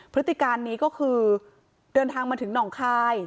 พฤติการนี้ก็คือเดินทางมาถึงหนองคาย